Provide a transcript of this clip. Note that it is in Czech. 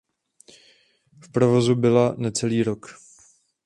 V provozu byla necelý rok.